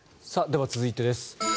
では続いてです。